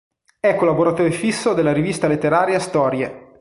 È collaboratore fisso della rivista letteraria "Storie".